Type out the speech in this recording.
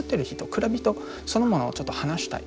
蔵人それもちょっと話したい。